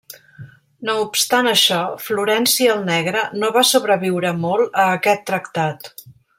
No obstant això, Florenci el Negre no va sobreviure molt a aquest tractat.